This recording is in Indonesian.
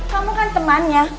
kamu kan temannya